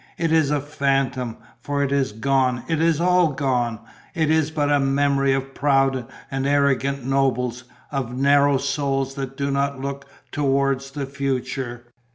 It is a phantom. For it is gone, it is all gone, it is but a memory of proud and arrogant nobles, of narrow souls that do not look towards the future."